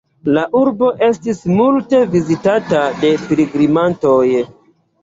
La urbo estis multe vizitata de pilgrimantoj.